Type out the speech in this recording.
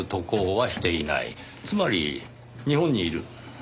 つまり日本にいる。